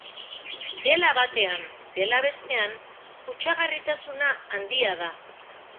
Dela batean, dela bestean, kutsagarritasuna handia da.